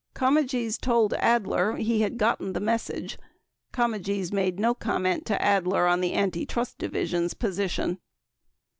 Comegys told Adler he had gotten the message ; Comegys made no comment to Adler on the Anti trust Division's position.